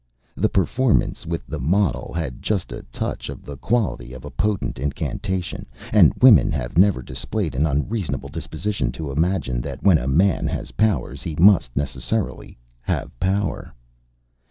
The performance with the model had just a touch of the quality of a potent incantation, and women have ever displayed an unreasonable disposition to imagine that when a man has powers he must necessarily have Power.